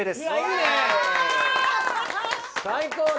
最高だ！